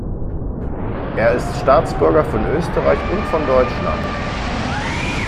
Er ist Staatsbürger von Österreich und von Deutschland.